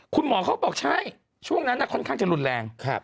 คุณหมอเขาบอกใช่ช่วงนั้นค่อนข้างจะรุนแรง